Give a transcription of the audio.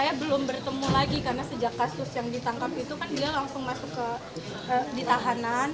saya belum bertemu lagi karena sejak kasus yang ditangkap itu kan dia langsung masuk di tahanan